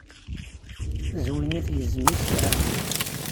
Zwina tgezzem isefra.